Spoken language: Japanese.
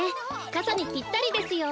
かさにぴったりですよ。